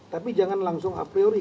tapi jangan langsung a priori